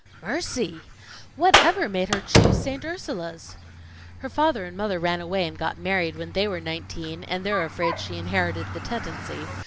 "Mercy! Whatever made her choose St. Ursula's?" "Her father and mother ran away and got married when they were nineteen, and they're afraid she inherited the tendency.